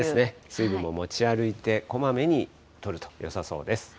水分も持ち歩いて、こまめにとるとよさそうです。